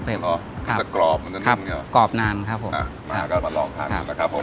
อ๋อเผ็ดกรอบมันจะนิ่งครับกรอบนานครับผมมาก็มาลองทานได้ครับผม